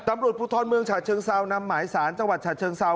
ตำรวจภูทรเมืองฉะเชิงเซานำหมายสารจังหวัดฉะเชิงเซา